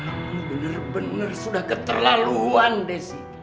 kamu bener bener sudah keterlaluan desi